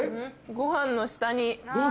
ご飯の下？